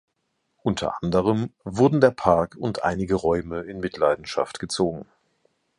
Unter anderem wurden der Park und einige Räume in Mitleidenschaft gezogen.